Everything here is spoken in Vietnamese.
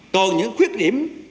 còn những khuyết nghiệm